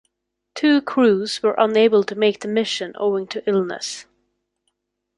Two crews were unable to make the mission owing to illness.